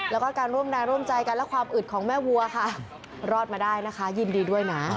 แล้วก็การร่วมแรงร่วมใจกันและความอึดของแม่วัวค่ะรอดมาได้นะคะยินดีด้วยนะ